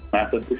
nah tentu saja